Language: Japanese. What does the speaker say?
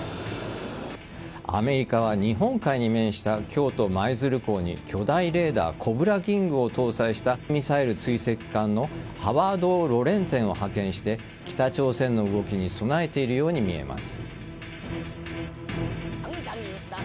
アメリカは日本海に面した京都・舞鶴港に巨大レーダーコブラキングを搭載したミサイル追跡艦の「ハワード・Ｏ・ロレンツェン」を派遣して北朝鮮の動きに備えているように見えます。